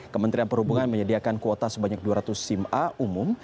kementerian perhubungan menyediakan kuota sebanyak dua ratus sim a umum